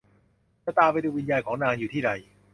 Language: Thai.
จะตามไปดูวิญญาณของนางอยู่ที่ใด